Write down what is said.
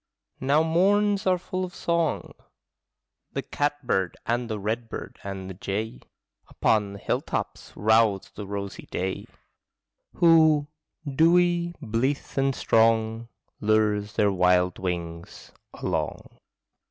Now morns are full of song; The catbird and the redbird and the jay Upon the hilltops rouse the rosy day, Who, dewy, blithe, and strong, Lures their wild wings along.